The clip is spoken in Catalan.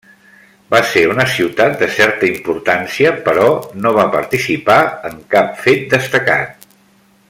Va ser una ciutat de certa importància però no va participar en cap fet destacat.